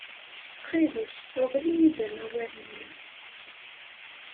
Ttxil-k, rḍel-iyi-d amawal-nni.